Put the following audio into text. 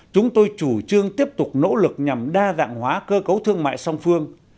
chúng tôi chủ trương tiếp tục nỗ lực nhằm đa dạng hóa cơ cấu thương mại song phương